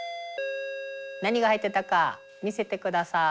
何が入ってたか見せてください。